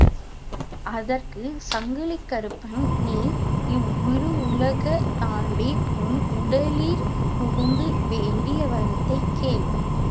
அதற்குச் சங்கிலிக்கறுப்பன் நீ இவ்விருளுலகந் தாண்டி உன் உடலிற் புகுந்து வேண்டிய வரத்தைக் கேள்.